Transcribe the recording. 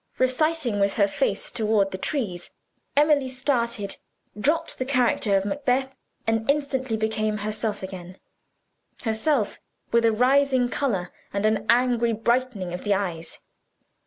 '" Reciting with her face toward the trees, Emily started, dropped the character of Macbeth, and instantly became herself again: herself, with a rising color and an angry brightening of the eyes.